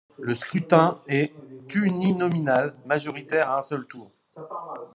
Le scrutin est uninominal majoritaire à un seul tour.